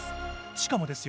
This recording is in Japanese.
しかもですよ